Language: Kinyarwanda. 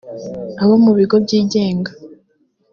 abo mu bigo byigenga